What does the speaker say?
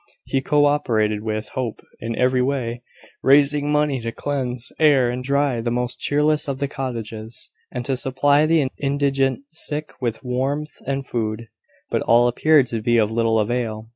He co operated with Hope in every way; raising money to cleanse, air, and dry the most cheerless of the cottages, and to supply the indigent sick with warmth and food. But all appeared to be of little avail.